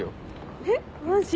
えっマジ？